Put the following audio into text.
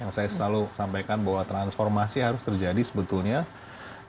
yang saya selalu sampaikan bahwa transformasi harus terjadi sebetulnya